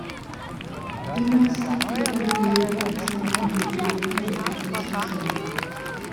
Die meisten ihrer Gemälde und Zeichnungen gelten heute als verschollen.